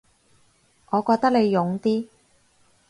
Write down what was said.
我覺得你勇啲